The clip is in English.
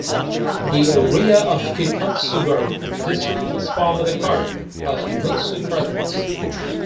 The area of Kitatsugaru District was formerly part of Mutsu Province.